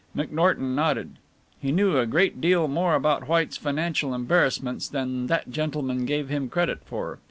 McNorton nodded. He knew a great deal more about White's financial embarrassments than that gentleman gave him credit for.